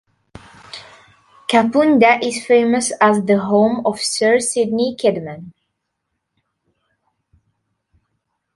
Kapunda is famous as the home of Sir Sidney Kidman.